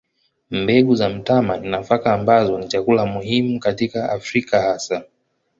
Mbegu za mtama ni nafaka ambazo ni chakula muhimu katika Afrika hasa.